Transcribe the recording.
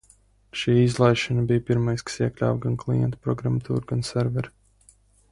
Ši izlaišana bija pirmais, kas iekļāva gan klientu programmatūru, gan serveri.